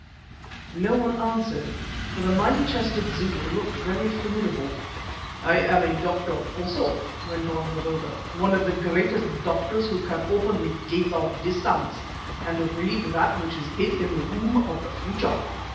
No one answered, for the mighty chested Zulu looked very formidable. "I am a doctor also," went on Mavovo, "one of the greatest of doctors who can open the 'Gates of Distance' and read that which is hid in the womb of the Future.